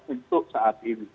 untuk saat ini